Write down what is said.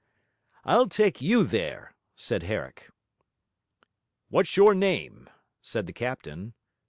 'I'll take you, there,' said Herrick. 'What's your name?' said the captain.